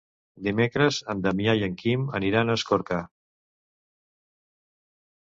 Dimecres en Damià i en Quim aniran a Escorca.